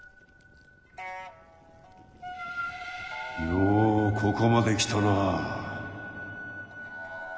ようここまで来たな。